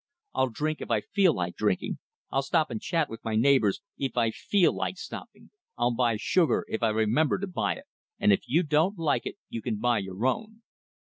I'll drink if I feel like drinking, I'll stop and chat with my neighbors if I feel like stopping, I'll buy sugar if I remember to buy it, and if you don't like it, you can buy your own!"